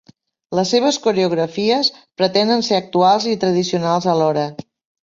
Les seves coreografies pretenen ser actuals i tradicionals alhora.